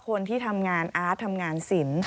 คนที่ทำงานอาร์ตทำงานสิน